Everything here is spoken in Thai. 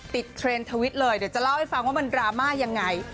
เทรนด์ทวิตเลยเดี๋ยวจะเล่าให้ฟังว่ามันดราม่ายังไง